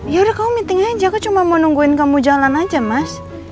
yaudah kamu meeting aja aku cuma mau nungguin kamu jalan aja mas